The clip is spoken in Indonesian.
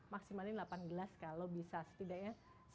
maksimalin delapan gelas kalau bisa setidaknya